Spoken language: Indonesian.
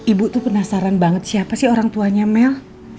ibu tuh penasaran banget siapa sih orang tuanya mel